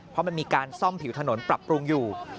เพราะมันมีการซ่อมผิวถนนปรับปรุงอยู่